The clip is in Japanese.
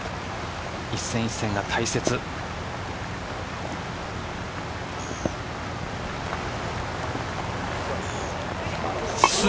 一戦一戦が大切です。